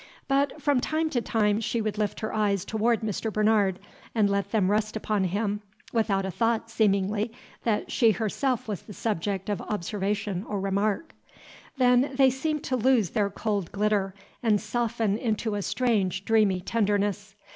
But, from time to time, she would lift her eyes toward Mr. Bernard, and let them rest upon him, without a thought, seemingly, that she herself was the subject of observation or remark. Then they seemed to lose their cold glitter, and soften into a strange, dreamy tenderness.